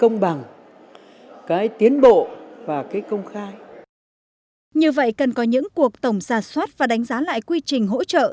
như vậy cần có những cuộc tổng giả soát và đánh giá lại quy trình hỗ trợ